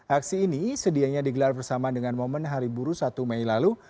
aksi ini sedianya digelar bersama dengan momen hari buruh satu mei lalu